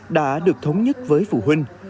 đã được thống nhất với phụ huynh